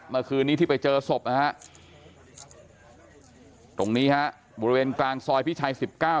เมื่อคืนนี้ที่ไปเจอศพนะฮะตรงนี้ฮะบริเวณกลางซอยพิชัย๑๙